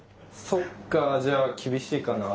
そっかじゃあ厳しいかな。